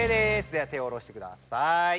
では手を下ろしてください。